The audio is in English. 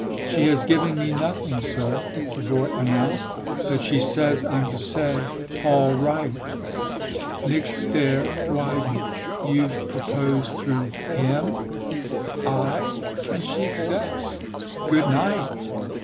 "She has given me nothing, sir," the boy announced; "but she says I'm to say 'All right!'" Nick's stare widened. "You've proposed through him?" "Aye, and she accepts. Good night!"